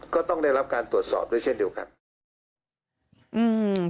ก็ต้องได้รับการตรวจสอบด้วยเช่นเดียวกันอืม